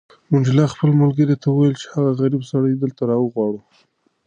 منډېلا خپل ملګري ته وویل چې هغه غریب سړی دلته راوغواړه.